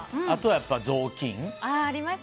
あとはやっぱり、雑巾？